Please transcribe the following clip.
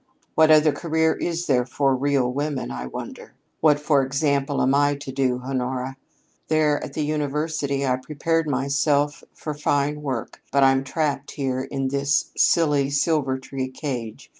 "What other career is there for real women, I wonder? What, for example, am I to do, Honora? There at the University I prepared myself for fine work, but I'm trapped here in this silly Silvertree cage.